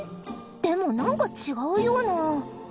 でもなんか違うような。